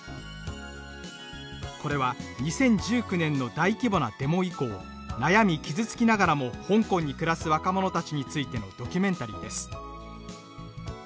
これは２０１９年の大規模なデモ以降悩み傷つきながらも香港に暮らす若者たちについてのドキュメンタリーです。